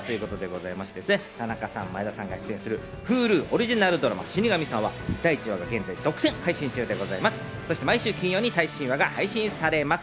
田中さん、前田さんが出演するＨｕｌｕオリジナルドラマ『死神さん』は第１話が現在、独占配信中でございます。